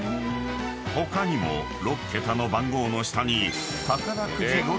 ［他にも６桁の番号の下に］